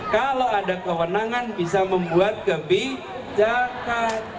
kalau ada kewenangan bisa membuat kebijakan